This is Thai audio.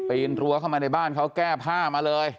เปิดปีนลัวเข้ามาในบ้านเขาแก้ผ้ามาเลย